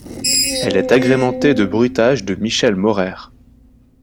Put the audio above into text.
Elle est agrémentée de bruitages de Michel Maurer.